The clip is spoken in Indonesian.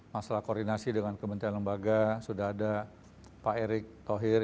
masalah koordinasi dengan kementerian lembaga sudah ada pak erick thohir